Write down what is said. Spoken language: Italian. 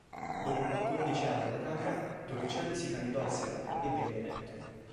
Dopo quattordici anni alla Camera, Torricelli si candidò al Senato e venne eletto.